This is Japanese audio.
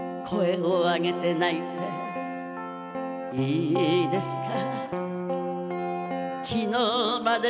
「声をあげて泣いていいですか」